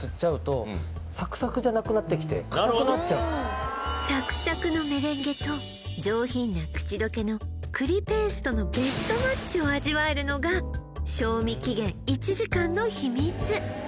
これがちょっとなるほどサクサクのメレンゲと上品な口どけの栗ペーストのベストマッチを味わえるのが賞味期限１時間の秘密